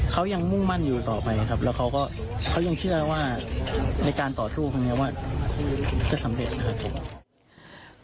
เขายังมุ่งมั่นอยู่ต่อไปครับแล้วเขายังเชื่อว่าในการต่อสู้ครั้งนี้ว่าจะสำเร็จนะครับผม